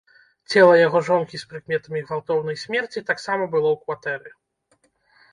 Цела яго жонкі з прыкметамі гвалтоўнай смерці таксама было ў кватэры.